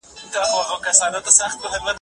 تاسې باید د نورو افرادو نظریاتو ته ارزښت ورکړئ.